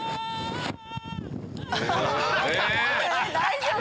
大丈夫？